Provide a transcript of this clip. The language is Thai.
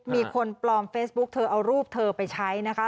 มีคนปลอมเฟซบุ๊กเธอเอารูปเธอไปใช้นะคะ